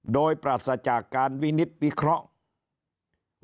โดยปราศจากการวินิตวิเคราะห์